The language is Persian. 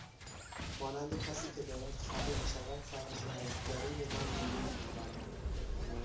مانند کسی که دارد خفه میشود سرش را از درون وان بیرون میآورد